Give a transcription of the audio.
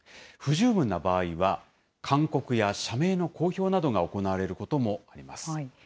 不十分な場合は、勧告や社名の公表などが行われることもあります。